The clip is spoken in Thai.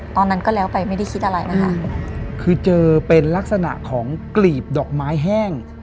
ตอนนั้นก็แล้วไปไม่ได้คิดอะไรนะคะคือเจอเป็นลักษณะของกลีบดอกไม้แห้ง